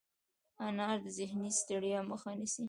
انار د ذهني ستړیا مخه نیسي.